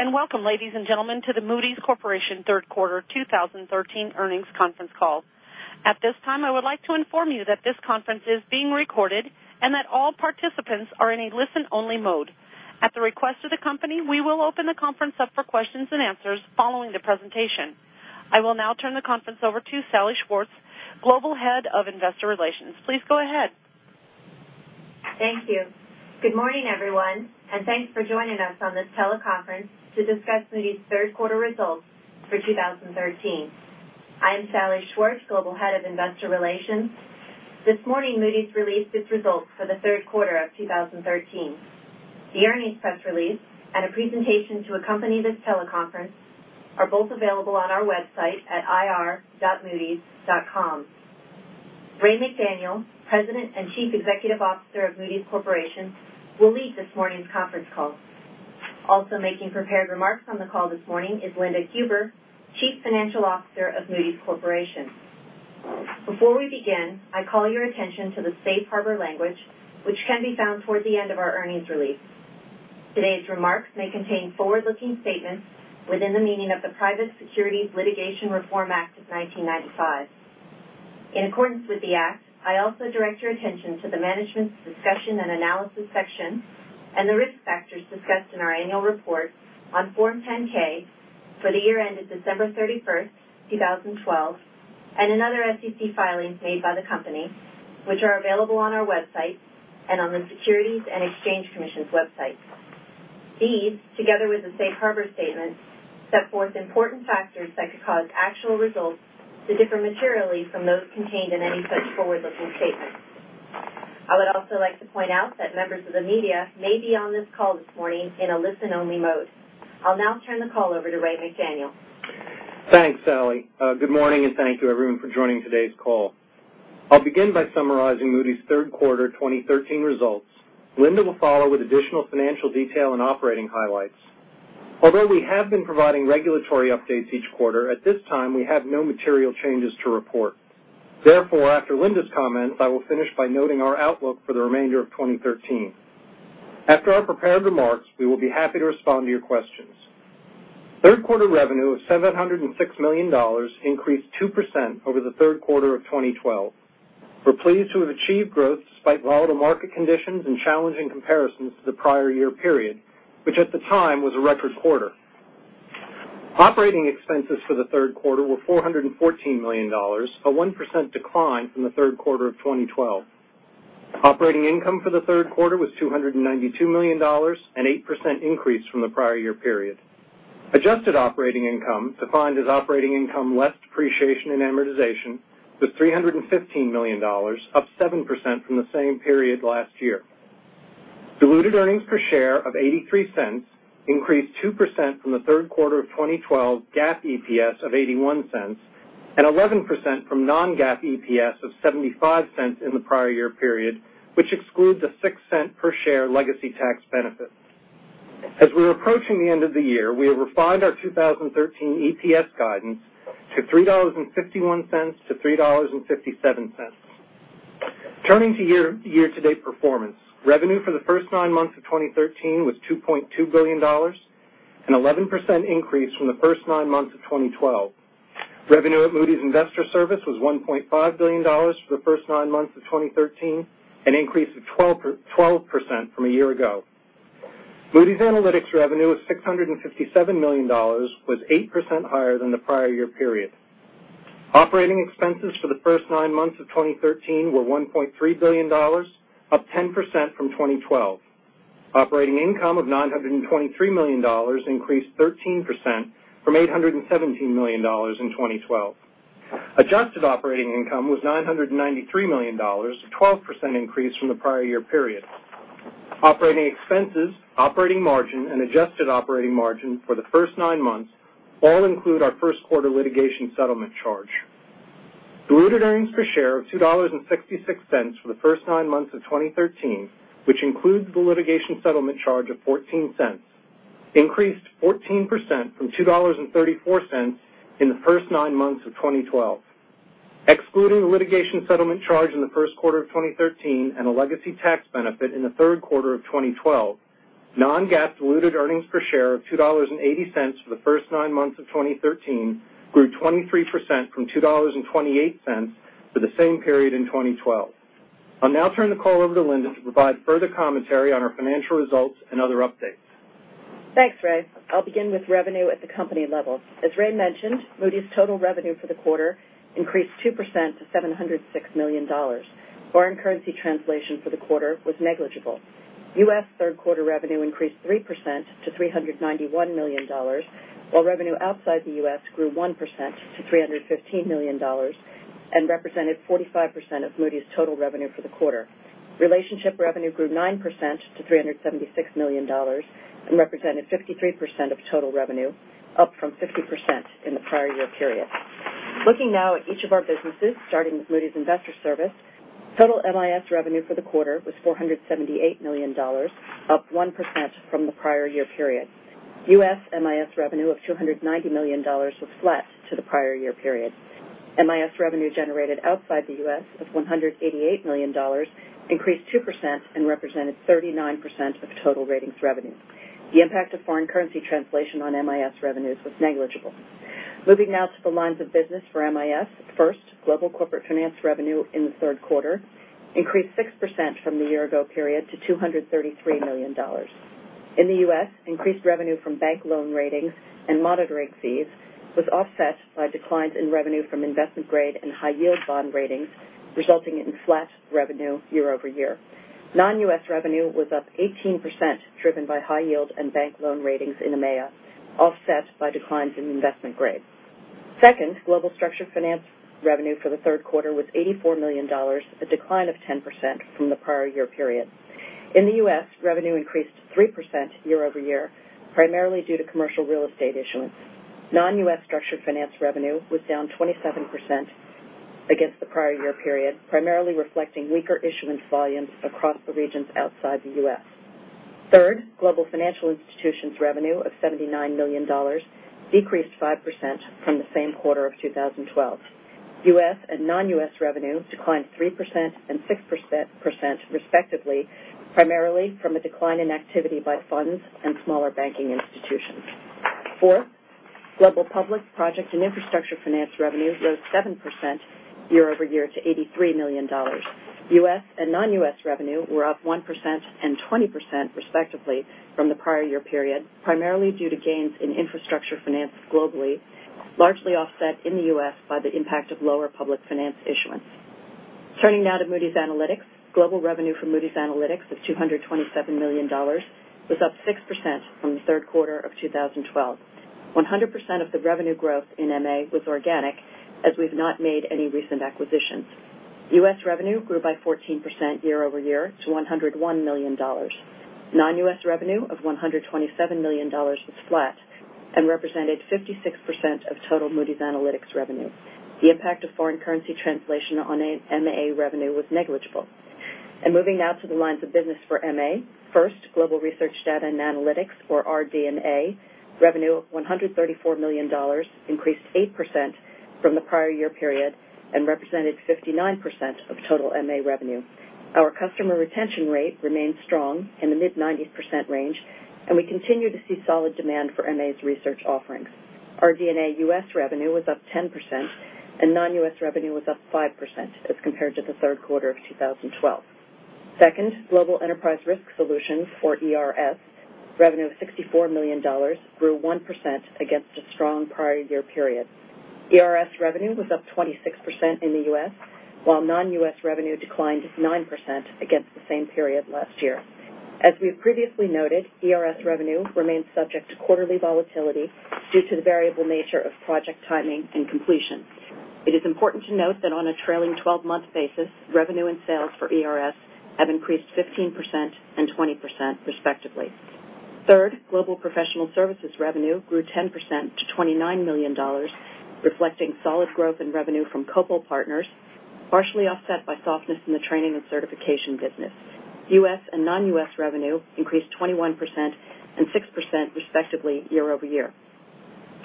Good day, and welcome, ladies and gentlemen, to the Moody's Corporation third quarter 2013 earnings conference call. At this time, I would like to inform you that this conference is being recorded, and that all participants are in a listen-only mode. At the request of the company, we will open the conference up for questions and answers following the presentation. I will now turn the conference over to Salli Schwartz, Global Head of Investor Relations. Please go ahead. Thank you. Good morning, everyone, and thanks for joining us on this teleconference to discuss Moody's third quarter results for 2013. I am Salli Schwartz, Global Head of Investor Relations. This morning, Moody's released its results for the third quarter of 2013. The earnings press release and a presentation to accompany this teleconference are both available on our website at ir.moodys.com. Raymond McDaniel, President and Chief Executive Officer of Moody's Corporation, will lead this morning's conference call. Also making prepared remarks on the call this morning is Linda Huber, Chief Financial Officer of Moody's Corporation. Before we begin, I call your attention to the safe harbor language, which can be found toward the end of our earnings release. Today's remarks may contain forward-looking statements within the meaning of the Private Securities Litigation Reform Act of 1995. In accordance with the act, I also direct your attention to the Management's Discussion and Analysis section and the risk factors discussed in our annual report on Form 10-K for the year ended December 31st, 2012, and in other SEC filings made by the company, which are available on our website and on the Securities and Exchange Commission's website. These, together with the safe harbor statement, set forth important factors that could cause actual results to differ materially from those contained in any such forward-looking statements. I would also like to point out that members of the media may be on this call this morning in a listen-only mode. I'll now turn the call over to Raymond McDaniel. Thanks, Salli. Good morning, and thank you, everyone, for joining today's call. I'll begin by summarizing Moody's third quarter 2013 results. Linda will follow with additional financial detail and operating highlights. Although we have been providing regulatory updates each quarter, at this time, we have no material changes to report. Therefore, after Linda's comments, I will finish by noting our outlook for the remainder of 2013. After our prepared remarks, we will be happy to respond to your questions. Third quarter revenue of $706 million increased 2% over the third quarter of 2012. We're pleased to have achieved growth despite volatile market conditions and challenging comparisons to the prior year period, which at the time was a record quarter. Operating expenses for the third quarter were $414 million, a 1% decline from the third quarter of 2012. Operating income for the third quarter was $292 million, an 8% increase from the prior year period. Adjusted operating income, defined as operating income less depreciation and amortization, was $315 million, up 7% from the same period last year. Diluted earnings per share of $0.83 increased 2% from the third quarter of 2012 GAAP EPS of $0.81, and 11% from non-GAAP EPS of $0.75 in the prior year period, which excludes a $0.06 per share legacy tax benefit. As we're approaching the end of the year, we have refined our 2013 EPS guidance to $3.51 to $3.57. Turning to year-to-date performance, revenue for the first nine months of 2013 was $2.2 billion, an 11% increase from the first nine months of 2012. Revenue at Moody's Investors Service was $1.5 billion for the first nine months of 2013, an increase of 12% from a year ago. Moody's Analytics revenue of $657 million was 8% higher than the prior year period. Operating expenses for the first nine months of 2013 were $1.3 billion, up 10% from 2012. Operating income of $923 million increased 13% from $817 million in 2012. Adjusted operating income was $993 million, a 12% increase from the prior year period. Operating expenses, operating margin, and adjusted operating margin for the first nine months all include our first quarter litigation settlement charge. Diluted earnings per share of $2.66 for the first nine months of 2013, which includes the litigation settlement charge of $0.14, increased 14% from $2.34 in the first nine months of 2012. Excluding the litigation settlement charge in the first quarter of 2013 and a legacy tax benefit in the third quarter of 2012, non-GAAP diluted earnings per share of $2.80 for the first nine months of 2013 grew 23% from $2.28 for the same period in 2012. I'll now turn the call over to Linda to provide further commentary on our financial results and other updates. Thanks, Ray. I'll begin with revenue at the company level. As Ray mentioned, Moody's total revenue for the quarter increased 2% to $706 million. Foreign currency translation for the quarter was negligible. U.S. third-quarter revenue increased 3% to $391 million, while revenue outside the U.S. grew 1% to $315 million and represented 45% of Moody's total revenue for the quarter. Relationship revenue grew 9% to $376 million and represented 53% of total revenue, up from 50% in the prior year period. Looking now at each of our businesses, starting with Moody's Investors Service, total MIS revenue for the quarter was $478 million, up 1% from the prior year period. U.S. MIS revenue of $290 million was flat to the prior year period. MIS revenue generated outside the U.S. of $188 million increased 2% and represented 39% of total ratings revenue. The impact of foreign currency translation on MIS revenues was negligible. Moving now to the lines of business for MIS. First, global corporate finance revenue in the third quarter increased 6% from the year-ago period to $233 million. In the U.S., increased revenue from bank loan ratings and monitored rating fees was offset by declines in revenue from investment grade and high yield bond ratings, resulting in flat revenue year-over-year. Non-U.S. revenue was up 18%, driven by high yield and bank loan ratings in EMEA, offset by declines in investment grade. Second, global structured finance revenue for the third quarter was $84 million, a decline of 10% from the prior year period. In the U.S., revenue increased 3% year-over-year, primarily due to commercial real estate issuance. Non-U.S. structured finance revenue was down 27% against the prior year period, primarily reflecting weaker issuance volumes across the regions outside the U.S. Third, global financial institutions revenue of $79 million decreased 5% from the same quarter of 2012. U.S. and non-U.S. revenue declined 3% and 6%, respectively, primarily from a decline in activity by funds and smaller banking institutions. Fourth, global public project and infrastructure finance revenue rose 7% year-over-year to $83 million. U.S. and non-U.S. revenue were up 1% and 20%, respectively, from the prior year period, primarily due to gains in infrastructure finance globally, largely offset in the U.S. by the impact of lower public finance issuance. Turning now to Moody's Analytics. Global revenue for Moody's Analytics was $227 million, was up 6% from the third quarter of 2012. 100% of the revenue growth in MA was organic, as we've not made any recent acquisitions. U.S. revenue grew by 14% year-over-year to $101 million. Non-U.S. revenue of $127 million was flat and represented 56% of total Moody's Analytics revenue. The impact of foreign currency translation on MA revenue was negligible. Moving now to the lines of business for MA. First, global research data and analytics or RD&A revenue of $134 million increased 8% from the prior year period and represented 59% of total MA revenue. Our customer retention rate remains strong in the mid 90% range, and we continue to see solid demand for MA's research offerings. RD&A U.S. revenue was up 10%, and non-U.S. revenue was up 5% as compared to the third quarter of 2012. Second, global enterprise risk solutions for ERS revenue of $64 million grew 1% against a strong prior year period. ERS revenue was up 26% in the U.S., while non-U.S. revenue declined 9% against the same period last year. As we have previously noted, ERS revenue remains subject to quarterly volatility due to the variable nature of project timing and completion. It is important to note that on a trailing 12-month basis, revenue and sales for ERS have increased 15% and 20%, respectively. Third, global professional services revenue grew 10% to $29 million, reflecting solid growth in revenue from Copal Partners, partially offset by softness in the training and certification business. U.S. and non-U.S. revenue increased 21% and 6%, respectively, year-over-year.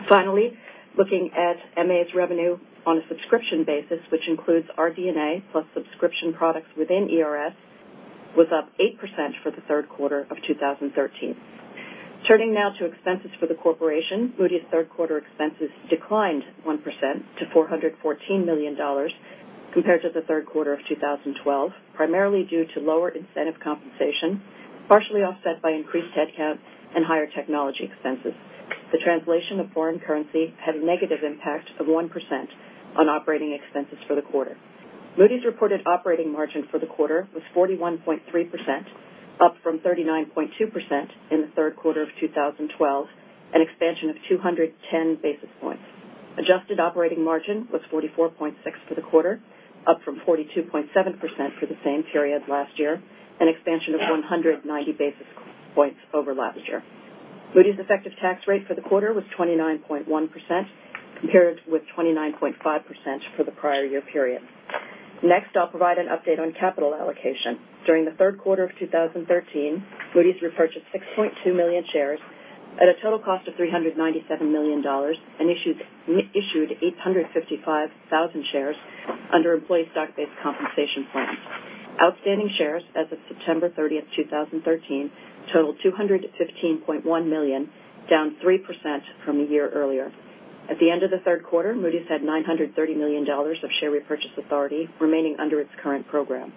Finally, looking at MA's revenue on a subscription basis, which includes RD&A plus subscription products within ERS, was up 8% for the third quarter of 2013. Turning now to expenses for the corporation. Moody's third quarter expenses declined 1% to $414 million compared to the third quarter of 2012, primarily due to lower incentive compensation, partially offset by increased headcount and higher technology expenses. The translation of foreign currency had a negative impact of 1% on operating expenses for the quarter. Moody's reported operating margin for the quarter was 41.3%, up from 39.2% in the third quarter of 2012, an expansion of 210 basis points. Adjusted operating margin was 44.6% for the quarter, up from 42.7% for the same period last year, an expansion of 190 basis points over last year. Moody's effective tax rate for the quarter was 29.1%, compared with 29.5% for the prior year period. I'll provide an update on capital allocation. During the third quarter of 2013, Moody's repurchased 6.2 million shares at a total cost of $397 million and issued 855,000 shares under employee stock-based compensation plans. Outstanding shares as of September 30th, 2013 totaled 215.1 million, down 3% from a year earlier. At the end of the third quarter, Moody's had $930 million of share repurchase authority remaining under its current program.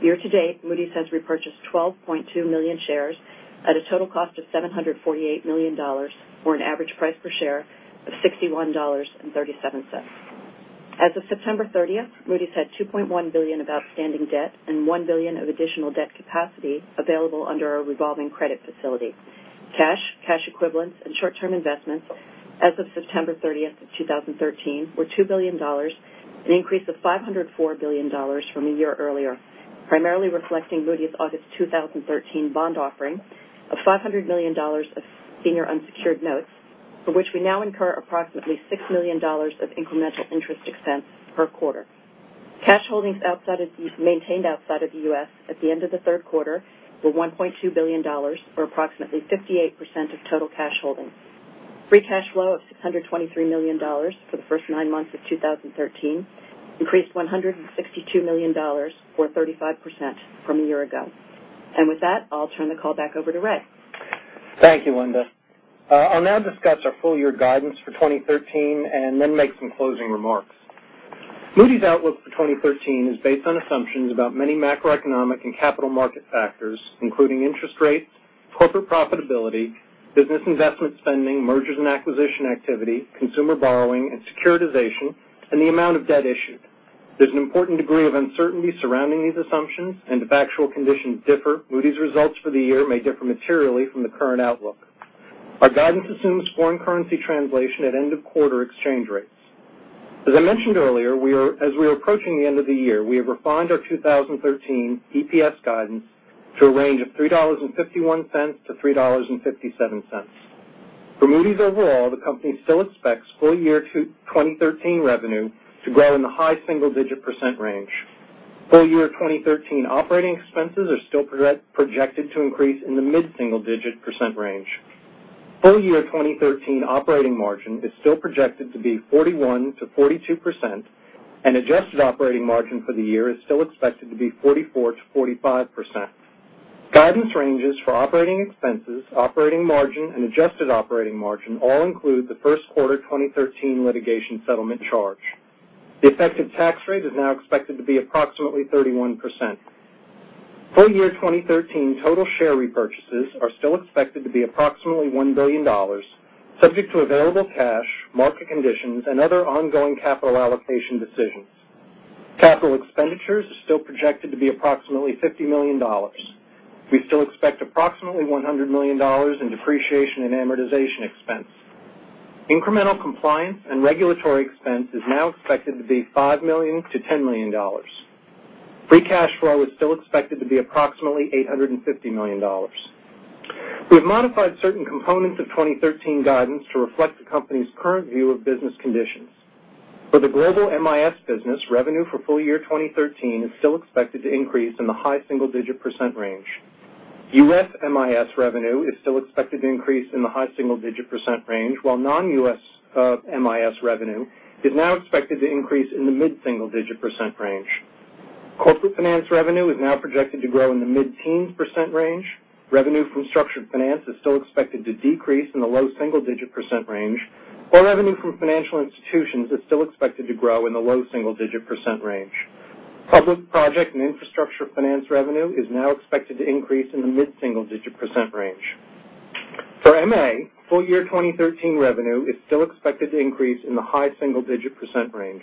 Year to date, Moody's has repurchased 12.2 million shares at a total cost of $748 million, or an average price per share of $61.37. As of September 30th, Moody's had $2.1 billion of outstanding debt and $1 billion of additional debt capacity available under our revolving credit facility. Cash, cash equivalents, and short-term investments as of September 30th, 2013, were $2 billion, an increase of $504 million from a year earlier, primarily reflecting Moody's August 2013 bond offering of $500 million of senior unsecured notes, for which we now incur approximately $6 million of incremental interest expense per quarter. Cash holdings maintained outside of the U.S. at the end of the third quarter were $1.2 billion, or approximately 58% of total cash holdings. Free cash flow of $623 million for the first nine months of 2013 increased $162 million, or 35%, from a year ago. With that, I'll turn the call back over to Ray. Thank you, Linda. I'll now discuss our full-year guidance for 2013 and then make some closing remarks. Moody's outlook for 2013 is based on assumptions about many macroeconomic and capital market factors, including interest rates, corporate profitability, business investment spending, mergers and acquisition activity, consumer borrowing and securitization, and the amount of debt issued. There's an important degree of uncertainty surrounding these assumptions, and if actual conditions differ, Moody's results for the year may differ materially from the current outlook. Our guidance assumes foreign currency translation at end-of-quarter exchange rates. As I mentioned earlier, as we are approaching the end of the year, we have refined our 2013 EPS guidance to a range of $3.51-$3.57. For Moody's overall, the company still expects full-year 2013 revenue to grow in the high single-digit percent range. Full-year 2013 operating expenses are still projected to increase in the mid-single digit percent range. Full-year 2013 operating margin is still projected to be 41%-42%, and adjusted operating margin for the year is still expected to be 44%-45%. Guidance ranges for operating expenses, operating margin, and adjusted operating margin all include the first quarter 2013 litigation settlement charge. The effective tax rate is now expected to be approximately 31%. Full-year 2013 total share repurchases are still expected to be approximately $1 billion, subject to available cash, market conditions, and other ongoing capital allocation decisions. Capital expenditures are still projected to be approximately $50 million. We still expect approximately $100 million in depreciation and amortization expense. Incremental compliance and regulatory expense is now expected to be $5 million-$10 million. Free cash flow is still expected to be approximately $850 million. We have modified certain components of 2013 guidance to reflect the company's current view of business conditions. For the global MIS business, revenue for full-year 2013 is still expected to increase in the high single-digit percent range. U.S. MIS revenue is still expected to increase in the high single-digit percent range, while non-U.S. MIS revenue is now expected to increase in the mid-single digit percent range. Corporate finance revenue is now projected to grow in the mid-teens percent range. Revenue from structured finance is still expected to decrease in the low single-digit percent range, while revenue from financial institutions is still expected to grow in the low single-digit percent range. Public project and infrastructure finance revenue is now expected to increase in the mid-single digit percent range. For MA, full-year 2013 revenue is still expected to increase in the high single-digit percent range.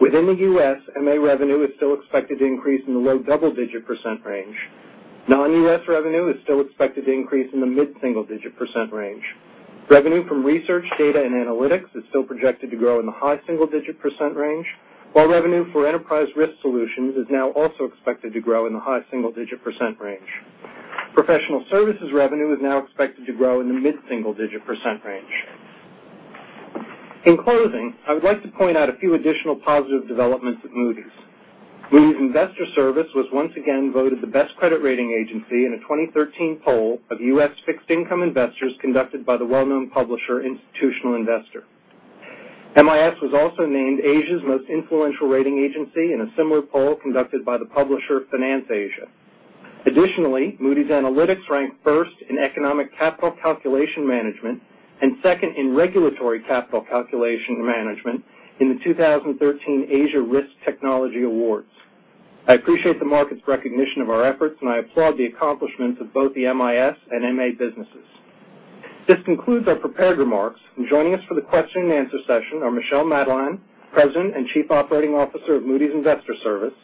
Within the U.S., MA revenue is still expected to increase in the low double-digit percent range. Non-U.S. revenue is still expected to increase in the mid-single digit percent range. Revenue from research data and analytics is still projected to grow in the high single-digit percent range, while revenue for enterprise risk solutions is now also expected to grow in the high single-digit percent range. Professional services revenue is now expected to grow in the mid-single digit percent range. In closing, I would like to point out a few additional positive developments at Moody's. Moody's Investors Service was once again voted the best credit rating agency in a 2013 poll of U.S. fixed-income investors conducted by the well-known publisher Institutional Investor. MIS was also named Asia's most influential rating agency in a similar poll conducted by the publisher FinanceAsia. Additionally, Moody's Analytics ranked first in economic capital calculation management and second in regulatory capital calculation management in the 2013 Asia Risk Technology Awards. I appreciate the market's recognition of our efforts, and I applaud the accomplishments of both the MIS and MA businesses. This concludes our prepared remarks. Joining us for the question and answer session are Michel Madelain, President and Chief Operating Officer of Moody's Investors Service,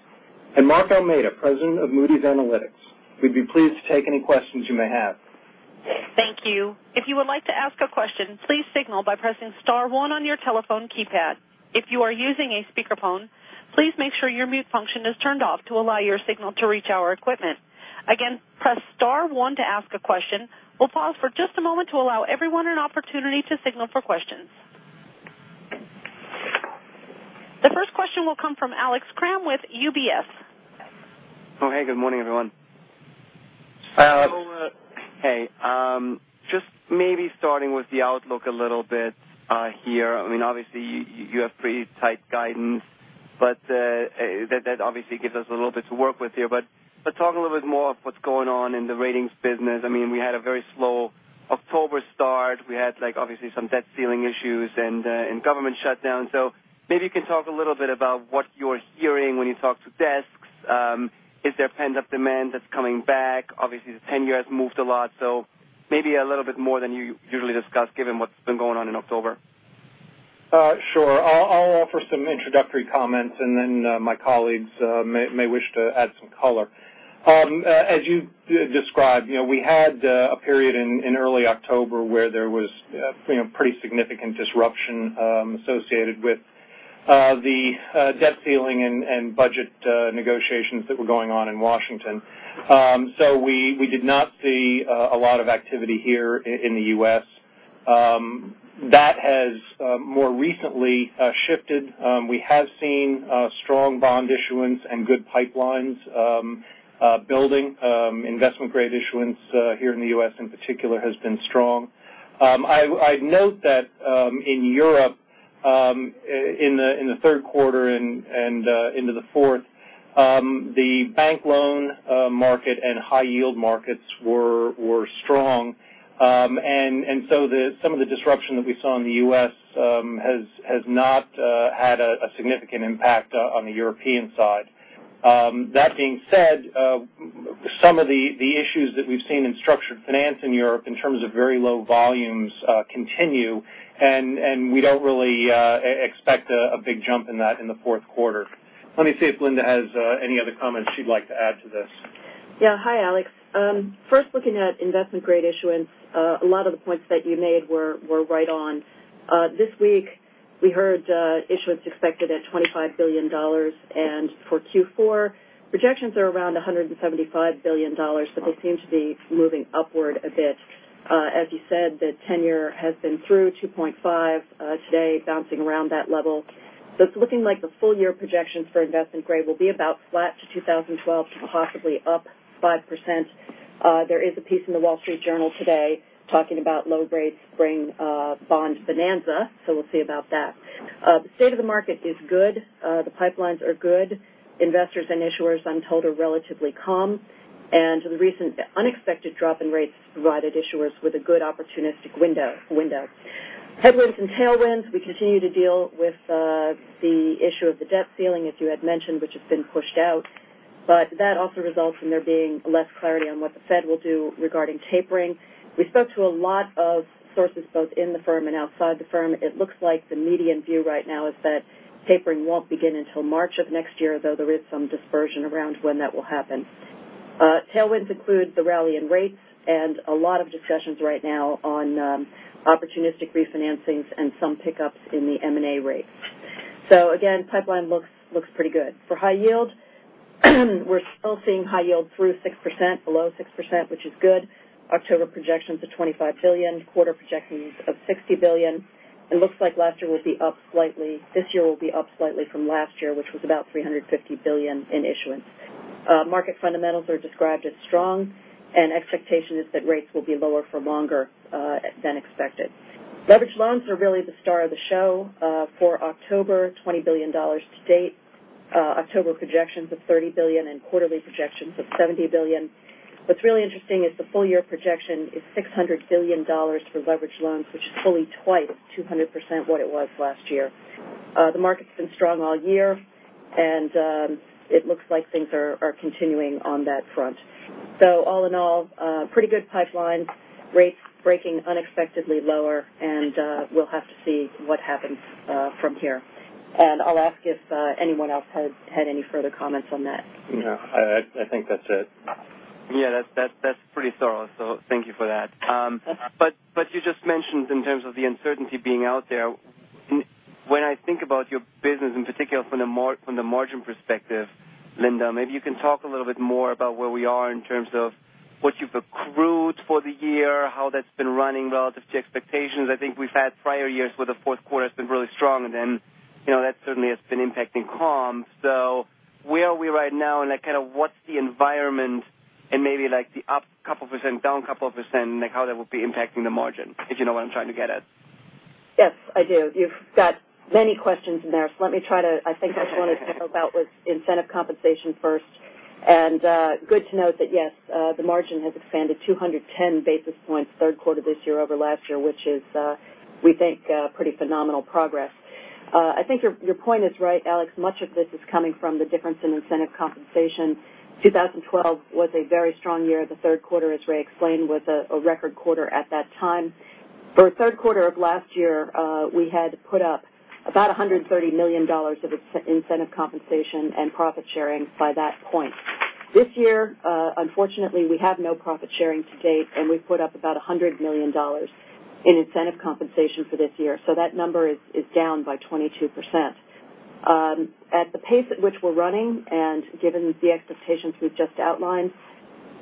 and Mark Almeida, President of Moody's Analytics. We'd be pleased to take any questions you may have. Thank you. If you would like to ask a question, please signal by pressing star one on your telephone keypad. If you are using a speakerphone, please make sure your mute function is turned off to allow your signal to reach our equipment. Again, press star one to ask a question. We will pause for just a moment to allow everyone an opportunity to signal for questions. The first question will come from Alex Kramm with UBS. Hey, good morning, everyone. Alex. Hey. Just maybe starting with the outlook a little bit here. Obviously, you have pretty tight guidance. That obviously gives us a little bit to work with here. Talk a little bit more of what's going on in the ratings business. We had a very slow October start. We had obviously some debt ceiling issues and government shutdown. Maybe you can talk a little bit about what you're hearing when you talk to desks. Is there pent-up demand that's coming back? Obviously, the 10-year has moved a lot, so maybe a little bit more than you usually discuss given what's been going on in October. Sure. I will offer some introductory comments, and then my colleagues may wish to add some color. As you described, we had a period in early October where there was pretty significant disruption associated with the debt ceiling and budget negotiations that were going on in Washington. We did not see a lot of activity here in the U.S. That has more recently shifted. We have seen strong bond issuance and good pipelines building. Investment-grade issuance here in the U.S. in particular has been strong. I would note that in Europe, in the third quarter and into the fourth, the bank loan market and high yield markets were strong. Some of the disruption that we saw in the U.S. has not had a significant impact on the European side. That being said, some of the issues that we've seen in structured finance in Europe in terms of very low volumes continue, and we don't really expect a big jump in that in the fourth quarter. Let me see if Linda has any other comments she'd like to add to this. Yeah. Hi, Alex. First, looking at investment-grade issuance, a lot of the points that you made were right on. This week we heard issuance expected at $25 billion. For Q4, projections are around $175 billion. They seem to be moving upward a bit. As you said, the 10-year has been through 2.5 today, bouncing around that level. It's looking like the full-year projections for investment grade will be about flat to 2012, possibly up 5%. There is a piece in The Wall Street Journal today talking about low rates bring bond bonanza. We'll see about that. The state of the market is good. The pipelines are good. Investors and issuers, I'm told, are relatively calm, and the recent unexpected drop in rates provided issuers with a good opportunistic window. Headwinds and tailwinds, we continue to deal with the issue of the debt ceiling, as you had mentioned, which has been pushed out. That also results in there being less clarity on what the Fed will do regarding tapering. We spoke to a lot of sources both in the firm and outside the firm. It looks like the median view right now is that tapering won't begin until March of next year, though there is some dispersion around when that will happen. Tailwinds include the rally in rates and a lot of discussions right now on opportunistic refinancings and some pickups in the M&A rates. Again, pipeline looks pretty good. For high yield, we're still seeing high yield through 6%, below 6%, which is good. October projections of $25 billion, quarter projections of $60 billion. Looks like this year will be up slightly from last year, which was about $350 billion in issuance. Market fundamentals are described as strong. Expectation is that rates will be lower for longer than expected. Leveraged loans are really the star of the show. For October, $20 billion to date. October projections of $30 billion and quarterly projections of $70 billion. What's really interesting is the full-year projection is $600 billion for leveraged loans, which is fully twice, 200%, what it was last year. The market's been strong all year. It looks like things are continuing on that front. All in all, pretty good pipeline, rates breaking unexpectedly lower, and we'll have to see what happens from here. I'll ask if anyone else had any further comments on that. No, I think that's it. Yes, that's pretty thorough, thank you for that. You just mentioned in terms of the uncertainty being out there, when I think about your business, in particular from the margin perspective, Linda, maybe you can talk a little bit more about where we are in terms of what you've accrued for the year, how that's been running relative to expectations. I think we've had prior years where the fourth quarter has been really strong, and then that certainly has been impacting comp. Where are we right now, and what's the environment and maybe like the up couple of percent, down couple of percent, how that will be impacting the margin, if you know what I'm trying to get at. Yes, I do. You've got many questions in there. I think I just wanted to help out with incentive compensation first. Good to note that yes, the margin has expanded 210 basis points third quarter this year over last year, which is, we think, pretty phenomenal progress. I think your point is right, Alex. Much of this is coming from the difference in incentive compensation. 2012 was a very strong year. The third quarter, as Ray explained, was a record quarter at that time. For the third quarter of last year, we had put up about $130 million of incentive compensation and profit sharing by that point. This year, unfortunately, we have no profit sharing to date, and we've put up about $100 million in incentive compensation for this year. That number is down by 22%. At the pace at which we're running, and given the expectations we've just outlined,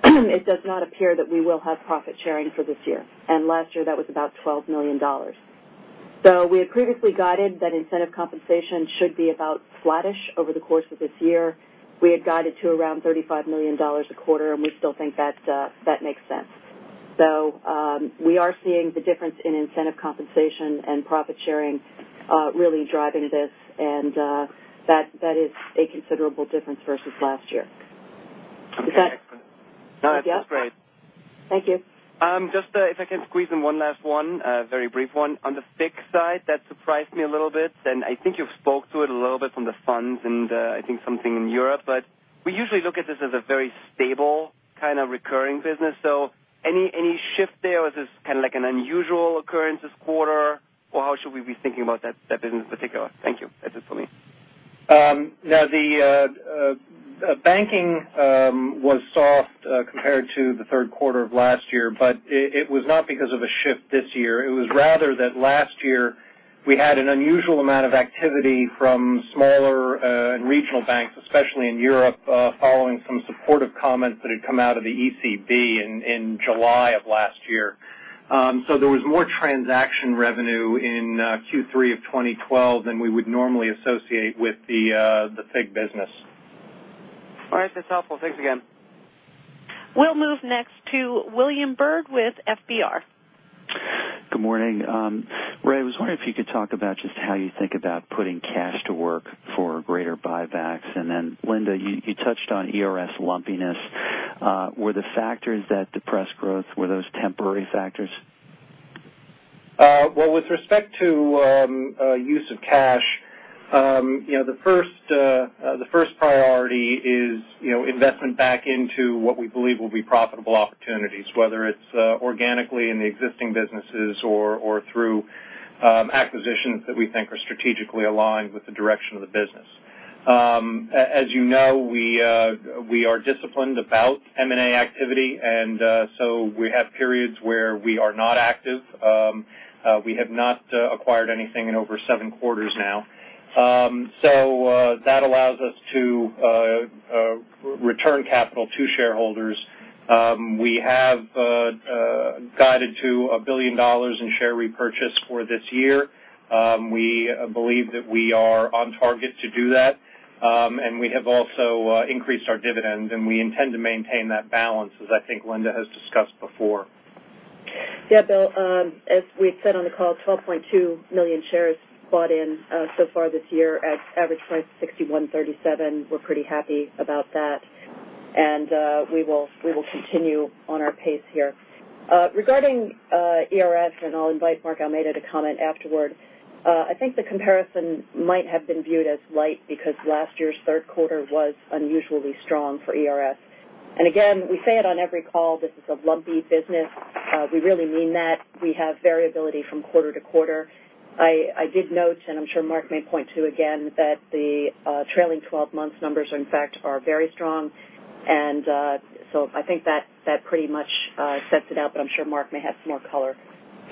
it does not appear that we will have profit sharing for this year. Last year that was about $12 million. We had previously guided that incentive compensation should be about flattish over the course of this year. We had guided to around $35 million a quarter, and we still think that makes sense. We are seeing the difference in incentive compensation and profit sharing really driving this, and that is a considerable difference versus last year. No, that's great. Thank you. Just if I can squeeze in one last one, a very brief one. On the FIGS side, that surprised me a little bit, and I think you've spoke to it a little bit from the funds and I think something in Europe, but we usually look at this as a very stable kind of recurring business. Any shift there or is this kind of like an unusual occurrence this quarter, or how should we be thinking about that business in particular? Thank you. That's it for me. The banking was soft compared to the third quarter of last year, but it was not because of a shift this year. It was rather that last year, we had an unusual amount of activity from smaller and regional banks, especially in Europe, following some supportive comments that had come out of the ECB in July of last year. There was more transaction revenue in Q3 of 2012 than we would normally associate with the FIG business. All right. That's helpful. Thanks again. We'll move next to William Bird with FBR. Good morning. Ray, I was wondering if you could talk about just how you think about putting cash to work for greater buybacks. Linda, you touched on ERS lumpiness. Were the factors that depressed growth, were those temporary factors? Well, with respect to use of cash, the first priority is investment back into what we believe will be profitable opportunities, whether it's organically in the existing businesses or through acquisitions that we think are strategically aligned with the direction of the business. As you know, we are disciplined about M&A activity. We have periods where we are not active. We have not acquired anything in over seven quarters now. That allows us to return capital to shareholders. We have guided to $1 billion in share repurchase for this year. We believe that we are on target to do that. We have also increased our dividend, and we intend to maintain that balance as I think Linda has discussed before. Bill. As we had said on the call, 12.2 million shares bought in so far this year at average price $61.37. We're pretty happy about that. And we will continue on our pace here. Regarding ERS, I'll invite Mark Almeida to comment afterward. I think the comparison might have been viewed as light because last year's third quarter was unusually strong for ERS. Again, we say it on every call, this is a lumpy business. We really mean that. We have variability from quarter to quarter. I did note, and I'm sure Mark may point to again, that the trailing 12-month numbers in fact are very strong. I think that pretty much sets it out, but I'm sure Mark may have some more color.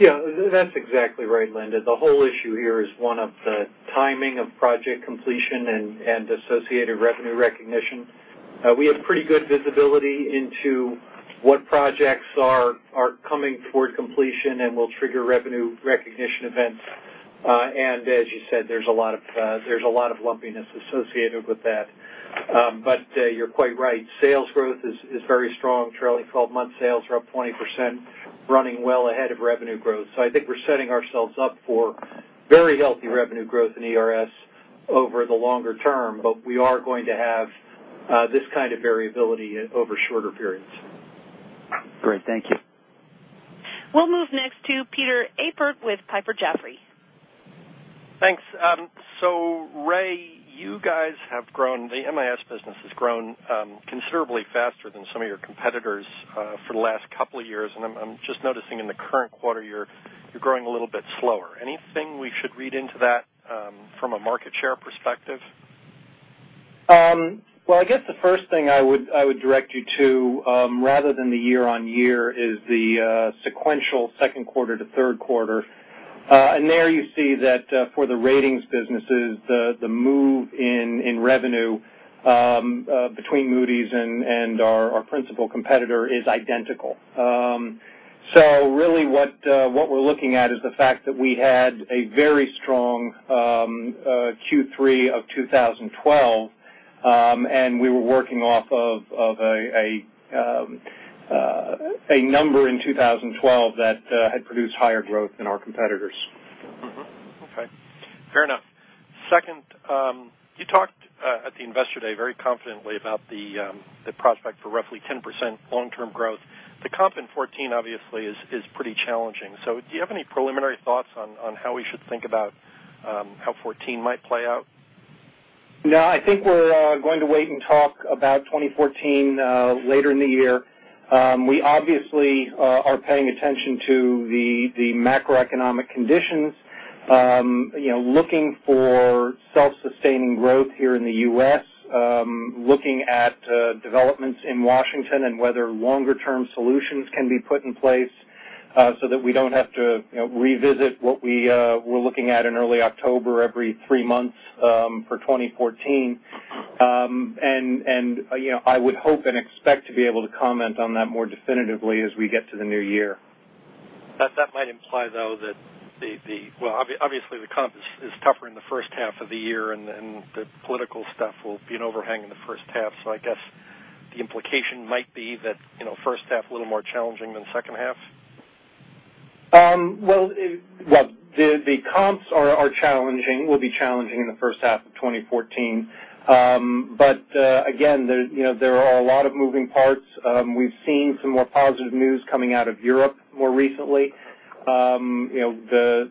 That's exactly right, Linda. The whole issue here is one of the timing of project completion and associated revenue recognition. We have pretty good visibility into what projects are coming toward completion and will trigger revenue recognition events. As you said, there's a lot of lumpiness associated with that. You're quite right. Sales growth is very strong. Trailing 12-month sales are up 20%, running well ahead of revenue growth. I think we're setting ourselves up for very healthy revenue growth in ERS over the longer term. We are going to have this kind of variability over shorter periods. Great. Thank you. We'll move next to Peter Appert with Piper Jaffray. Thanks. Ray, you guys have grown, the MIS business has grown considerably faster than some of your competitors for the last couple of years. I'm just noticing in the current quarter you're growing a little bit slower. Anything we should read into that from a market share perspective? I guess the first thing I would direct you to, rather than the year-over-year, is the sequential second quarter to third quarter. There you see that for the ratings businesses, the move in revenue between Moody's and our principal competitor is identical. Really what we're looking at is the fact that we had a very strong Q3 of 2012. We were working off of a number in 2012 that had produced higher growth than our competitors. Okay. Fair enough. Second, you talked at the Investor Day very confidently about the prospect for roughly 10% long-term growth. The comp in 2014 obviously is pretty challenging. Do you have any preliminary thoughts on how we should think about how 2014 might play out? No, I think we're going to wait and talk about 2014 later in the year. We obviously are paying attention to the macroeconomic conditions. Looking for self-sustaining growth here in the U.S., looking at developments in Washington, and whether longer-term solutions can be put in place so that we don't have to revisit what we were looking at in early October every three months for 2014. I would hope and expect to be able to comment on that more definitively as we get to the new year. That might imply, though, that the obviously the comp is tougher in the first half of the year, and the political stuff will be an overhang in the first half. I guess the implication might be that first half a little more challenging than second half? The comps are challenging, will be challenging in the first half of 2014. Again, there are a lot of moving parts. We've seen some more positive news coming out of Europe more recently. The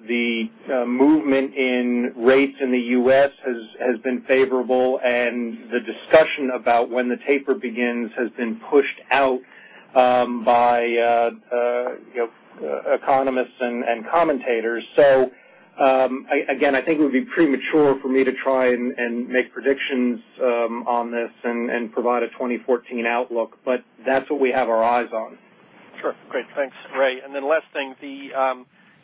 movement in rates in the U.S. has been favorable, and the discussion about when the taper begins has been pushed out by economists and commentators. Again, I think it would be premature for me to try and make predictions on this and provide a 2014 outlook. That's what we have our eyes on. Sure. Great. Thanks, Ray. Last thing,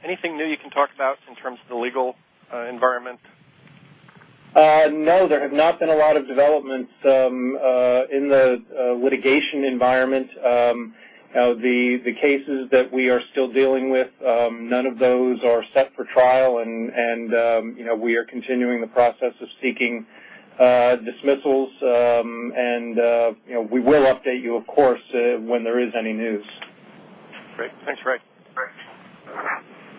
anything new you can talk about in terms of the legal environment? There have not been a lot of developments in the litigation environment. The cases that we are still dealing with, none of those are set for trial, we are continuing the process of seeking dismissals. We will update you, of course, when there is any news. Great. Thanks, Ray.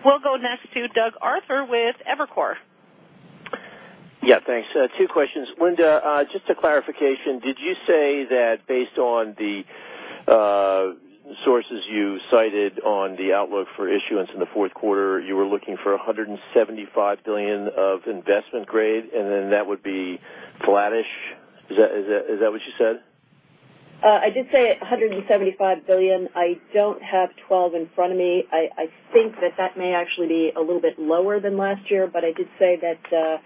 We'll go next to Doug Arthur with Evercore. Yeah, thanks. Two questions. Linda, just a clarification. Did you say that based on the sources you cited on the outlook for issuance in the fourth quarter, you were looking for $175 billion of investment grade, and then that would be flattish? Is that what you said? I did say $175 billion. I don't have 12 in front of me. I think that that may actually be a little bit lower than last year. I did say that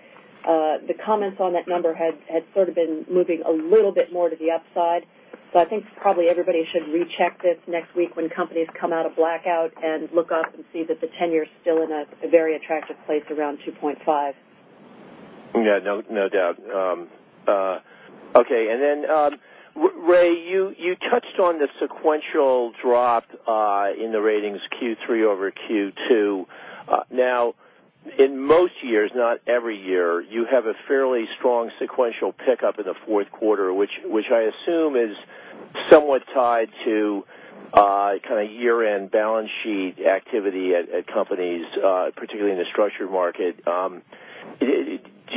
the comments on that number had sort of been moving a little bit more to the upside. I think probably everybody should recheck this next week when companies come out of blackout and look up and see that the tenor's still in a very attractive place around 2.5. Yeah. No doubt. Okay. Ray, you touched on the sequential drop in the ratings Q3 over Q2. In most years, not every year, you have a fairly strong sequential pickup in the fourth quarter, which I assume is somewhat tied to kind of year-end balance sheet activity at companies, particularly in the structured market. Do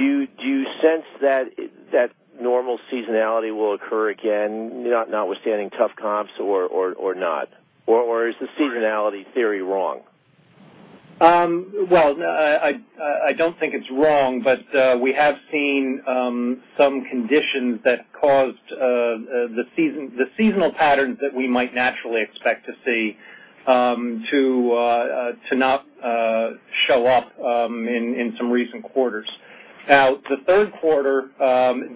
you sense that normal seasonality will occur again, notwithstanding tough comps, or not? Is the seasonality theory wrong? I don't think it's wrong, but we have seen some conditions that caused the seasonal patterns that we might naturally expect to see to not show up in some recent quarters. The third quarter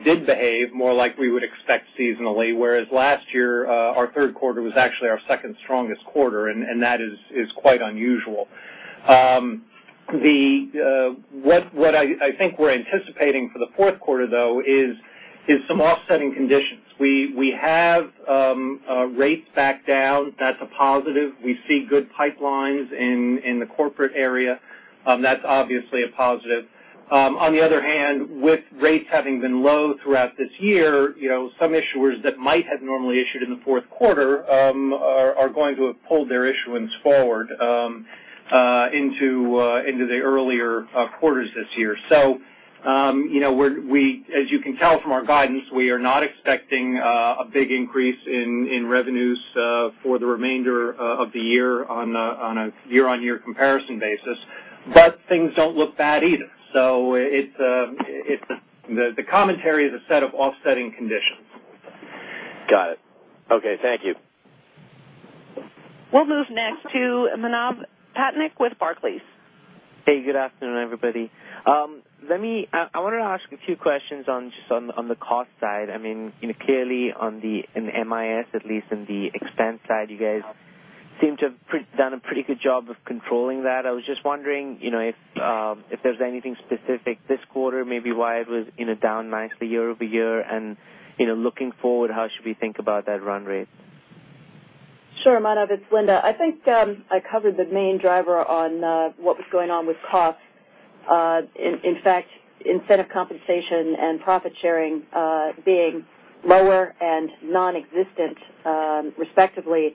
did behave more like we would expect seasonally, whereas last year our third quarter was actually our second strongest quarter, and that is quite unusual. What I think we're anticipating for the fourth quarter, though, is some offsetting conditions. We have rates back down. That's a positive. We see good pipelines in the corporate area. That's obviously a positive. On the other hand, with rates having been low throughout this year, some issuers that might have normally issued in the fourth quarter are going to have pulled their issuance forward into the earlier quarters this year. As you can tell from our guidance, we are not expecting a big increase in revenues for the remainder of the year on a year-on-year comparison basis. Things don't look bad either. The commentary is a set of offsetting conditions. Got it. Okay. Thank you. We'll move next to Manav Patnaik with Barclays. Hey, good afternoon, everybody. I wanted to ask a few questions just on the cost side. Clearly on the MIS, at least in the expense side, you guys seem to have done a pretty good job of controlling that. I was just wondering if there's anything specific this quarter, maybe why it was down nicely year-over-year and looking forward, how should we think about that run rate? Sure, Manav. It's Linda. I think I covered the main driver on what was going on with costs. In fact, incentive compensation and profit sharing being lower and nonexistent respectively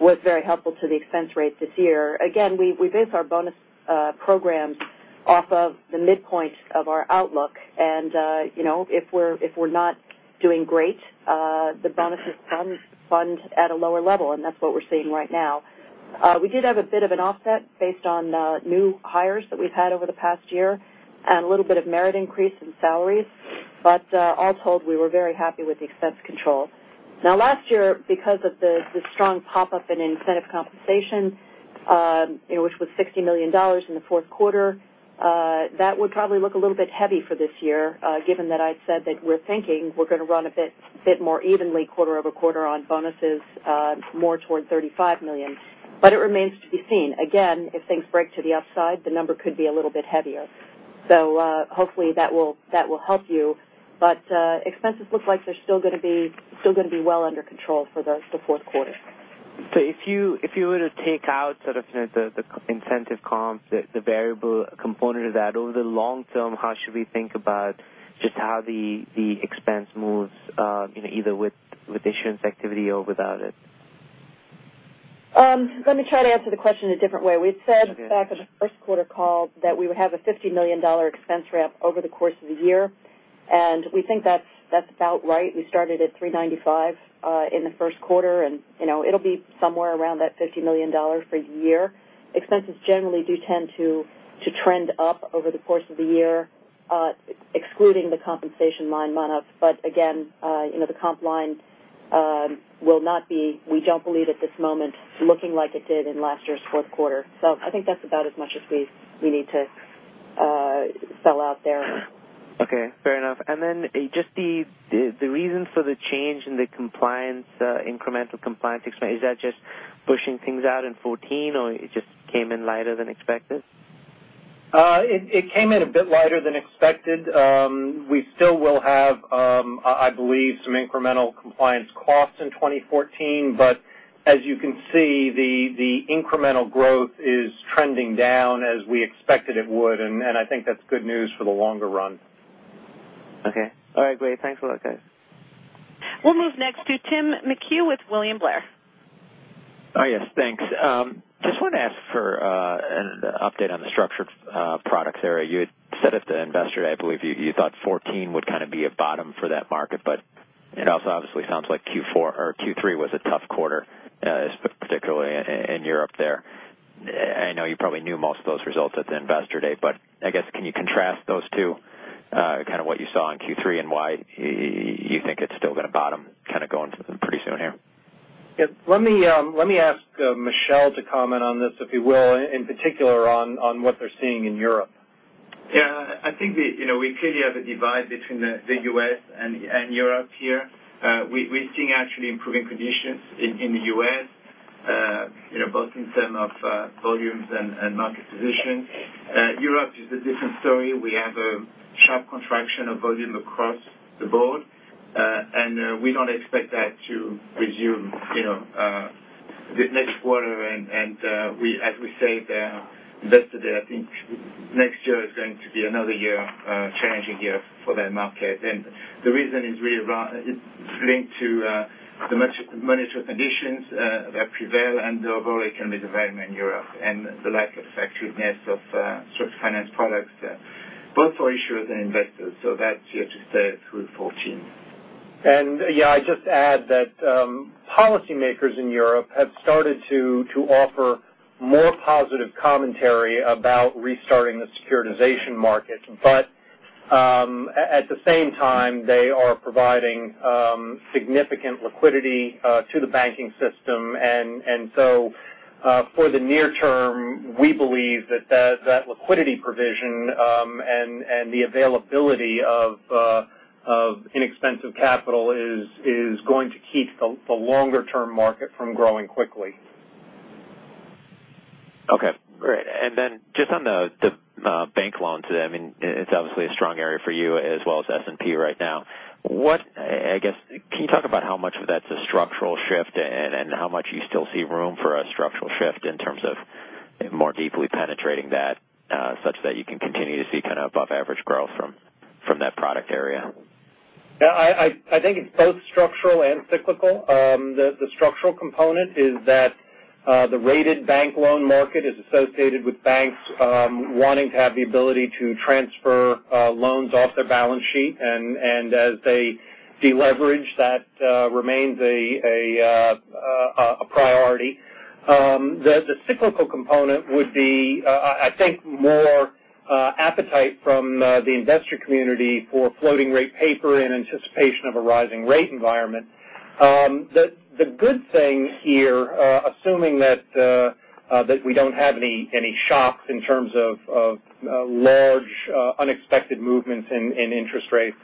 was very helpful to the expense rate this year. Again, we base our bonus programs off of the midpoint of our outlook. If we're not doing great, the bonuses fund at a lower level, and that's what we're seeing right now. We did have a bit of an offset based on new hires that we've had over the past year and a little bit of merit increase in salaries. All told, we were very happy with the expense control. Last year, because of the strong pop-up in incentive compensation which was $60 million in the fourth quarter, that would probably look a little bit heavy for this year given that I said that we're thinking we're going to run a bit more evenly quarter-over-quarter on bonuses more toward $35 million. It remains to be seen. Again, if things break to the upside, the number could be a little bit heavier. Hopefully that will help you. Expenses look like they're still going to be well under control for the fourth quarter. If you were to take out sort of the incentive comps, the variable component of that over the long term, how should we think about just how the expense moves either with issuance activity or without it? Let me try to answer the question a different way. We said back in the first quarter call that we would have a $50 million expense ramp over the course of the year, and we think that's about right. We started at $395 in the first quarter, and it will be somewhere around that $50 million for the year. Expenses generally do tend to trend up over the course of the year excluding the compensation line, Manav. Again the comp line we don't believe at this moment looking like it did in last year's fourth quarter. I think that's about as much as we need to spell out there. Okay, fair enough. Just the reason for the change in the incremental compliance. Is that just pushing things out in 2014 or it just came in lighter than expected? It came in a bit lighter than expected. We still will have, I believe, some incremental compliance costs in 2014. As you can see, the incremental growth is trending down as we expected it would, and I think that's good news for the longer run. Okay. All right, great. Thanks a lot, guys. We'll move next to Tim McHugh with William Blair. Yes. Thanks. Just want to ask for an update on the structured products area. You had said at the Investor Day, I believe you thought 2014 would kind of be a bottom for that market, but it also obviously sounds like Q3 was a tough quarter, particularly in Europe there. I know you probably knew most of those results at the Investor Day, but I guess can you contrast those two, kind of what you saw in Q3 and why you think it's still going to bottom kind of going pretty soon here? Yes. Let me ask Michel to comment on this, if he will, in particular on what they're seeing in Europe. Yeah, I think we clearly have a divide between the U.S. and Europe here. We're seeing actually improving conditions in the U.S. both in term of volumes and market position. Europe is a different story. We have a sharp contraction of volume across the board. We don't expect that to resume this next quarter, and as we say there, Investor Day, I think next year is going to be another challenging year for that market. The reason is really linked to the monetary conditions that prevail and the overall economic development in Europe and the lack of effectiveness of certain finance products both for issuers and investors. That's here to stay through 2014. I'd just add that policymakers in Europe have started to offer more positive commentary about restarting the securitization market. At the same time, they are providing significant liquidity to the banking system. For the near term, we believe that that liquidity provision and the availability of inexpensive capital is going to keep the longer-term market from growing quickly. Okay, great. Just on the bank loans. It's obviously a strong area for you as well as S&P right now. I guess, can you talk about how much of that's a structural shift and how much you still see room for a structural shift in terms of more deeply penetrating that such that you can continue to see kind of above average growth from that product area? I think it's both structural and cyclical. The structural component is that the rated bank loan market is associated with banks wanting to have the ability to transfer loans off their balance sheet, and as they deleverage, that remains a priority. The cyclical component would be I think more appetite from the investor community for floating rate paper in anticipation of a rising rate environment. The good thing here, assuming that we don't have any shocks in terms of large unexpected movements in interest rates,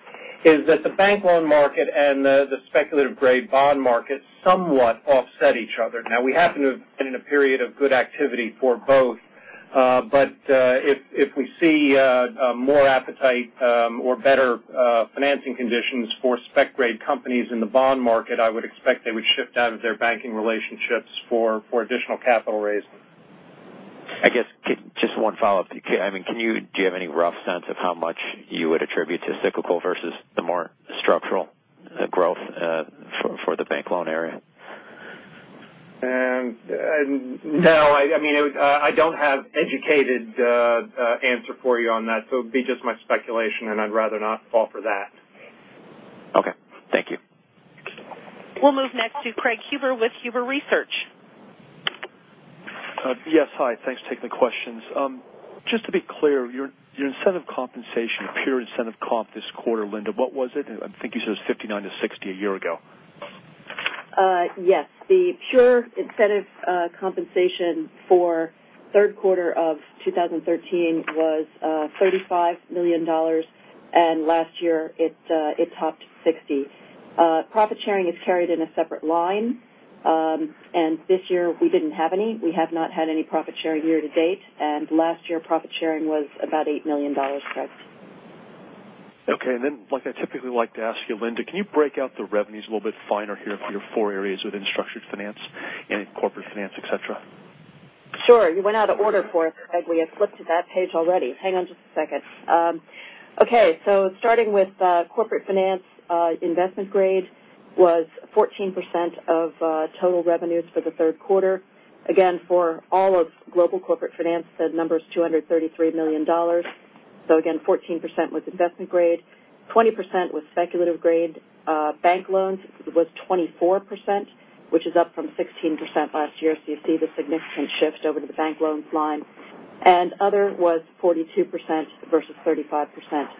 is that the bank loan market and the speculative grade bond market somewhat offset each other. Now we happen to have been in a period of good activity for both. If we see more appetite or better financing conditions for spec-grade companies in the bond market, I would expect they would shift out of their banking relationships for additional capital raises. I guess just one follow-up. Do you have any rough sense of how much you would attribute to cyclical versus the more structural growth for the bank loan area? No. I don't have educated answer for you on that, so it'd be just my speculation, and I'd rather not offer that. Okay. Thank you. We'll move next to Craig Huber with Huber Research. Yes, hi. Thanks for taking the questions. Just to be clear, your incentive compensation, pure incentive comp this quarter, Linda, what was it? I think you said it was 59 to 60 a year ago. Yes. The pure incentive compensation for third quarter of 2013 was $35 million, last year it topped $60 million. Profit sharing is carried in a separate line. This year we didn't have any. We have not had any profit sharing year to date, last year profit sharing was about $8 million, Craig. Okay. Like I typically like to ask you, Linda, can you break out the revenues a little bit finer here for your four areas within structured finance and corporate finance, et cetera? Sure. You went out of order, Craig. We had flipped to that page already. Hang on just a second. Okay. Starting with corporate finance, investment grade was 14% of total revenues for the third quarter. Again, for all of global corporate finance, that number's $233 million. Again, 14% was investment grade, 20% was speculative grade. Bank loans was 24%, which is up from 16% last year. You see the significant shift over to the bank loans line. Other was 42% versus 35%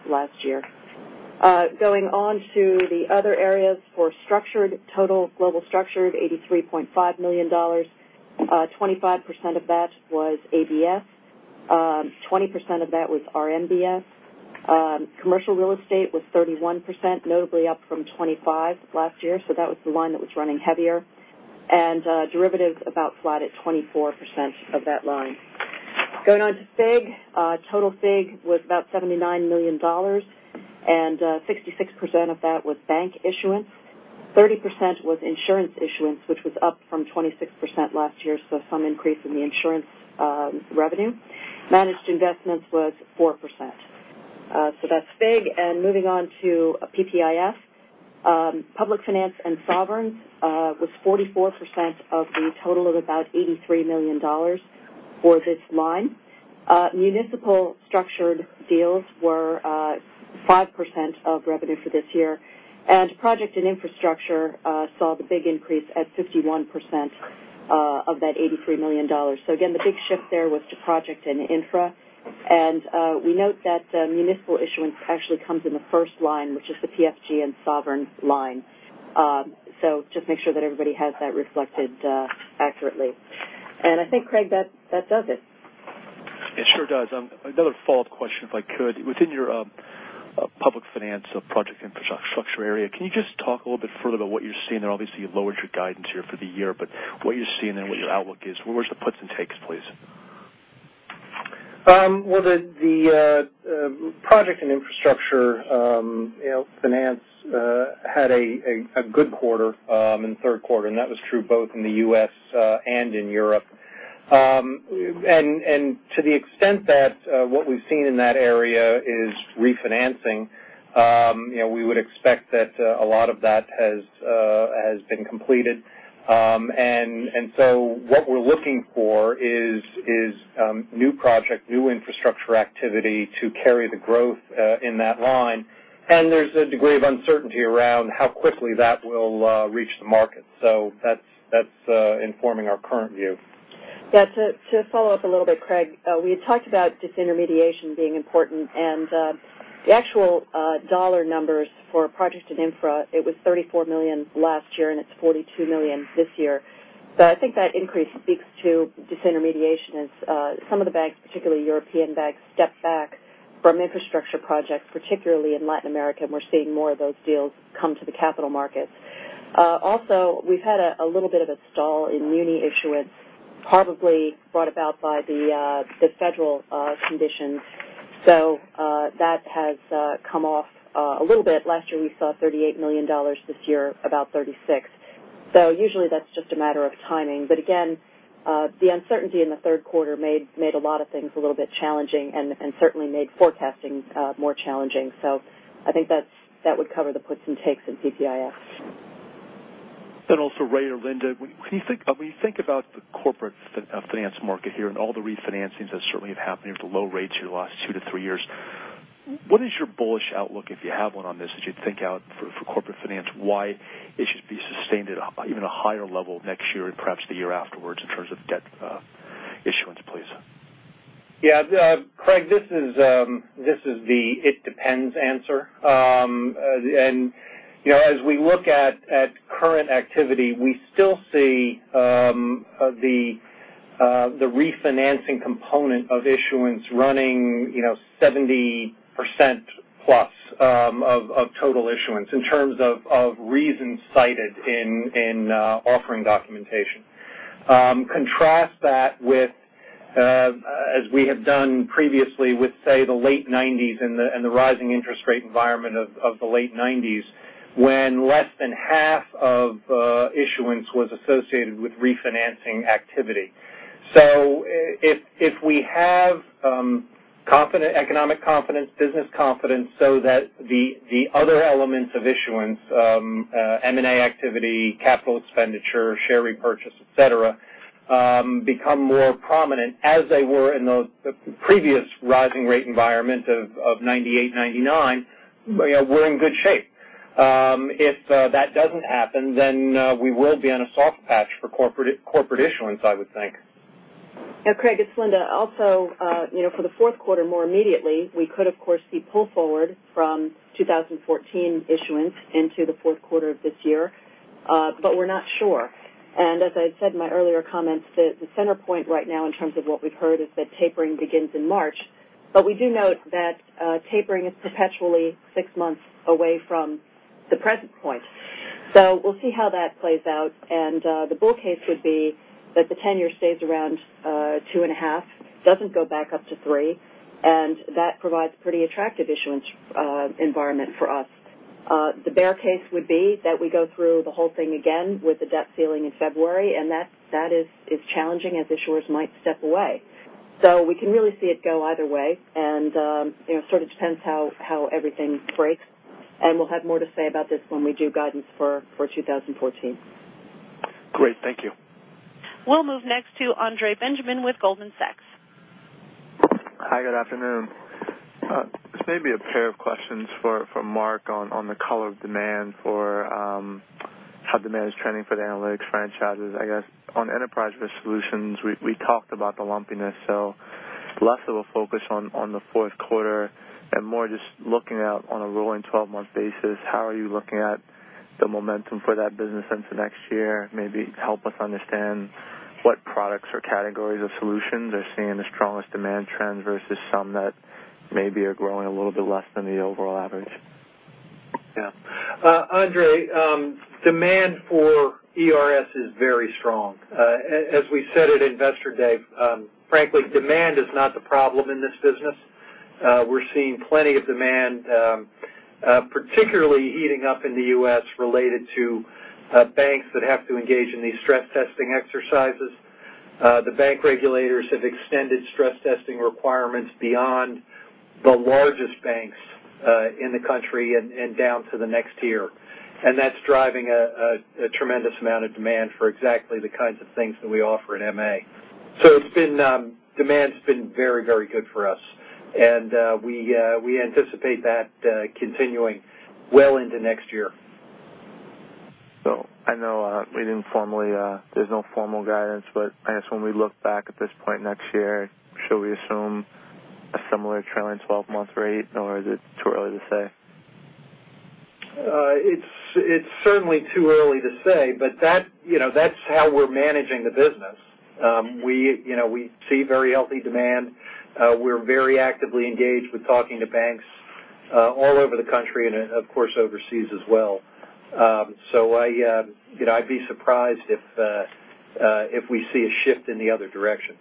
last year. Going on to the other areas for structured total global structured, $83.5 million. 25% of that was ABS. 20% of that was RMBS. Commercial real estate was 31%, notably up from 25% last year. That was the line that was running heavier. Derivatives about flat at 24% of that line. Going on to FIG. Total FIG was about $79 million, 66% of that was bank issuance. 30% was insurance issuance, which was up from 26% last year, some increase in the insurance revenue. Managed investments was 4%. That's FIG, moving on to PPIF. Public finance and sovereigns was 44% of the total of about $83 million for this line. Municipal structured deals were 5% of revenue for this year. Project and infrastructure saw the big increase at 51% of that $83 million. Again, the big shift there was to project and infra. We note that municipal issuance actually comes in the first line, which is the PFG and sovereign line. Just make sure that everybody has that reflected accurately. I think, Craig, that does it. It sure does. Another follow-up question, if I could. Within your public finance or project infrastructure area, can you just talk a little bit further about what you're seeing there? Obviously, you've lowered your guidance here for the year, but what are you seeing there and what your outlook is? Where's the puts and takes, please? Well, the project and infrastructure finance had a good quarter in the third quarter, and that was true both in the U.S. and in Europe. To the extent that what we've seen in that area is refinancing, we would expect that a lot of that has been completed. What we're looking for is new project, new infrastructure activity to carry the growth in that line. There's a degree of uncertainty around how quickly that will reach the market. That's informing our current view. Yeah. To follow up a little bit, Craig, we had talked about disintermediation being important. The actual dollar numbers for project and infra, it was $34 million last year, and it's $42 million this year. I think that increase speaks to disintermediation as some of the banks, particularly European banks, stepped back from infrastructure projects, particularly in Latin America, and we're seeing more of those deals come to the capital markets. Also, we've had a little bit of a stall in muni issuance, probably brought about by the federal conditions. That has come off a little bit. Last year, we saw $38 million. This year, about $36 million. Usually that's just a matter of timing. Again, the uncertainty in the third quarter made a lot of things a little bit challenging, and certainly made forecasting more challenging. I think that would cover the puts and takes in PPIF. Ray or Linda, when you think about the corporate finance market here and all the refinancings that certainly have happened here with the low rates here the last 2-3 years, what is your bullish outlook, if you have one on this, as you think out for corporate finance? Why it should be sustained at even a higher level next year and perhaps the year afterwards in terms of debt issuance, please? Yeah. Craig, this is the "it depends" answer. As we look at current activity, we still see the refinancing component of issuance running 70%+ of total issuance in terms of reasons cited in offering documentation. Contrast that with, as we have done previously with, say, the late 1990s and the rising interest rate environment of the late 1990s when less than half of issuance was associated with refinancing activity. If we have economic confidence, business confidence so that the other elements of issuance, M&A activity, capital expenditure, share repurchase, et cetera become more prominent as they were in the previous rising rate environment of 1998, 1999, we're in good shape. If that doesn't happen, we will be on a soft patch for corporate issuance, I would think. Craig, it's Linda. Also for the fourth quarter more immediately, we could of course see pull forward from 2014 issuance into the fourth quarter of this year. We're not sure. As I said in my earlier comments, the center point right now in terms of what we've heard is that tapering begins in March. We do note that tapering is perpetually 6 months away from the present point. We'll see how that plays out, and the bull case would be that the 10-year stays around 2.5, doesn't go back up to 3, and that provides pretty attractive issuance environment for us. The bear case would be that we go through the whole thing again with the debt ceiling in February, and that is challenging as issuers might step away. We can really see it go either way, and it sort of depends how everything breaks. We'll have more to say about this when we do guidance for 2014. Great. Thank you. We'll move next to Andre Benjamin with Goldman Sachs. Hi, good afternoon. This may be a pair of questions for Mark on the color of demand for how demand is trending for the analytics franchises. I guess on Enterprise Risk Solutions, we talked about the lumpiness. Less of a focus on the fourth quarter and more just looking out on a rolling 12-month basis. How are you looking at the momentum for that business into next year? Maybe help us understand what products or categories of solutions are seeing the strongest demand trends versus some that maybe are growing a little bit less than the overall average. Andre, demand for ERS is very strong. As we said at Investor Day, frankly, demand is not the problem in this business. We're seeing plenty of demand, particularly heating up in the U.S., related to banks that have to engage in these stress testing exercises. The bank regulators have extended stress testing requirements beyond the largest banks in the country and down to the next tier. That's driving a tremendous amount of demand for exactly the kinds of things that we offer in MA. Demand's been very, very good for us. We anticipate that continuing well into next year. I know there's no formal guidance, but I guess when we look back at this point next year, should we assume a similar trailing 12-month rate, or is it too early to say? It's certainly too early to say, but that's how we're managing the business. We see very healthy demand. We're very actively engaged with talking to banks all over the country and, of course, overseas as well. I'd be surprised if we see a shift in the other direction.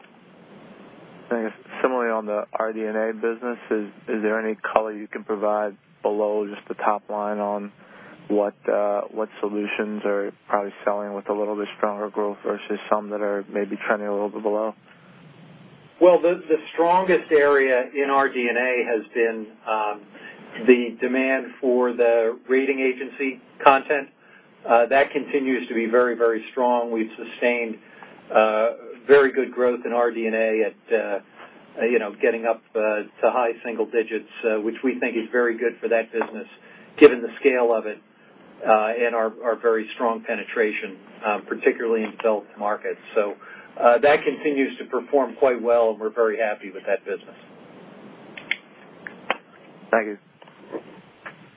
Similarly on the RD&A business, is there any color you can provide below just the top line on what solutions are probably selling with a little bit stronger growth versus some that are maybe trending a little bit below? The strongest area in RD&A has been the demand for the rating agency content. That continues to be very, very strong. We've sustained very good growth in RD&A at getting up to high single digits, which we think is very good for that business given the scale of it and our very strong penetration, particularly in developed markets. That continues to perform quite well, and we're very happy with that business. Thank you.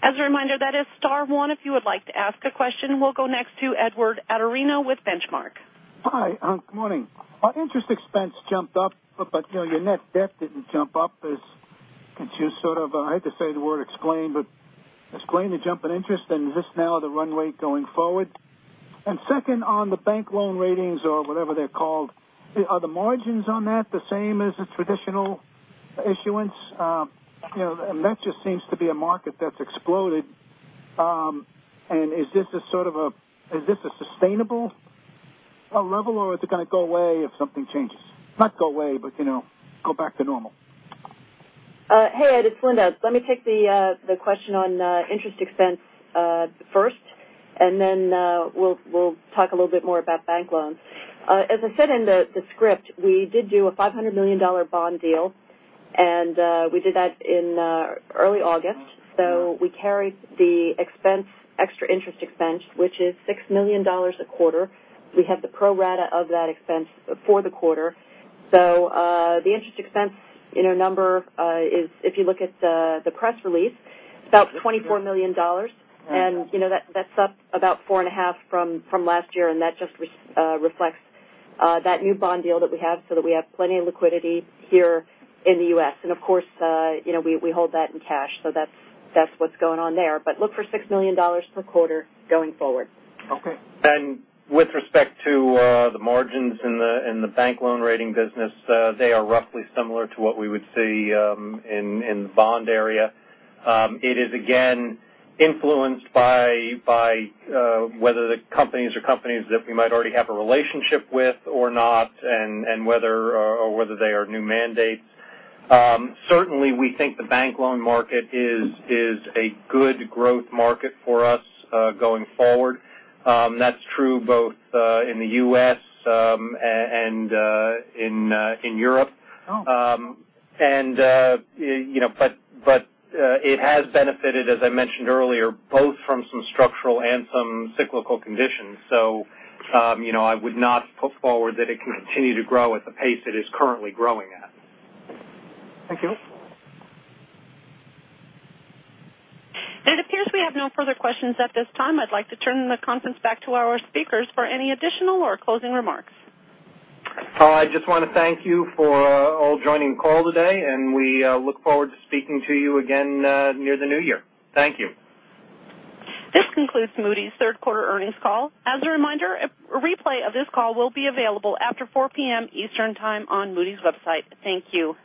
As a reminder, that is star one if you would like to ask a question. We'll go next to Edward Atorino with Benchmark. Hi, good morning. Interest expense jumped up, your net debt didn't jump up. Could you sort of, I hate to say the word explain, but explain the jump in interest and is this now the runway going forward? Second, on the bank loan ratings or whatever they're called, are the margins on that the same as the traditional issuance? That just seems to be a market that's exploded. Is this a sustainable level, or is it going to go away if something changes? Not go away, but go back to normal. Hey, Ed, it's Linda. Let me take the question on interest expense first, and then we'll talk a little bit more about bank loans. As I said in the script, we did do a $500 million bond deal. We did that in early August. We carried the extra interest expense, which is $6 million a quarter. We have the pro rata of that expense for the quarter. The interest expense number is, if you look at the press release, about $24 million. That's up about four and a half from last year, and that just reflects that new bond deal that we have so that we have plenty of liquidity here in the U.S. Of course, we hold that in cash. That's what's going on there. Look for $6 million per quarter going forward. Okay. With respect to the margins in the bank loan rating business, they are roughly similar to what we would see in the bond area. It is again influenced by whether the companies are companies that we might already have a relationship with or not, or whether they are new mandates. Certainly, we think the bank loan market is a good growth market for us going forward. That's true both in the U.S. and in Europe. Oh. It has benefited, as I mentioned earlier, both from some structural and some cyclical conditions. I would not put forward that it can continue to grow at the pace it is currently growing at. Thank you. It appears we have no further questions at this time. I'd like to turn the conference back to our speakers for any additional or closing remarks. I just want to thank you for all joining the call today, and we look forward to speaking to you again near the new year. Thank you. This concludes Moody's third quarter earnings call. As a reminder, a replay of this call will be available after 4:00 P.M. Eastern Time on Moody's website. Thank you.